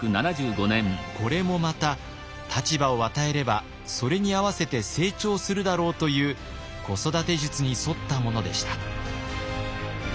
これもまた立場を与えればそれに合わせて成長するだろうという子育て術に沿ったものでした。